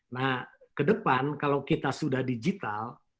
nah ke depan kalau kita sudah digital